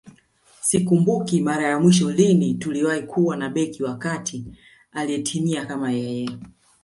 Sikumbuki mara ya mwisho lini tuliwahi kuwa na beki wa kati aliyetimia kama yeye